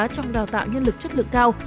trong đào tạo nhân lực chất lượng cao